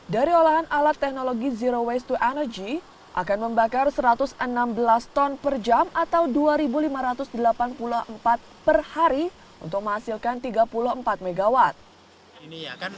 dari olahan alat teknologi zero waste to energy akan membakar satu ratus enam belas ton per jam atau dua lima ratus delapan puluh empat per hari untuk menghasilkan tiga puluh empat mw